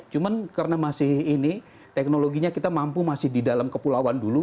cuman karena masih ini teknologinya kita mampu masih di dalam kepulauan dulu